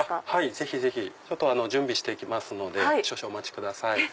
ぜひぜひ！準備して来ますので少々お待ちください。